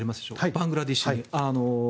バングラデシュに。